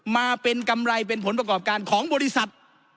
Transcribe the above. มาเป็นกำไรเป็นผลประกอบการของบริษัท